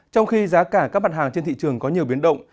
trong khi giá cả các mặt hàng trên thị trường có nhiều biến động